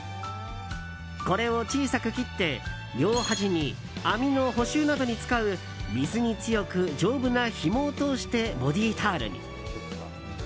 これを小さく切って、両端に網の補修などに使う水に強く丈夫なひもを通してボディータオルに。